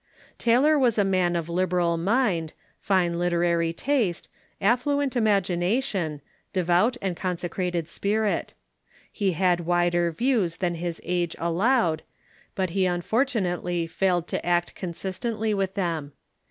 Taylor was a man of liberal mind, fine literary taste, afflu ent imagination, devout and consecrated spirit. He had wider views than liis age allowed, but he unfortunately failed to act consistently with them.